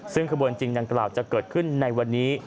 ซึ่งขบวนจริงดังกล่าวจะเกิดขึ้นในวันนี้